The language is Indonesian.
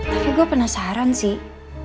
tapi gue penasaran sih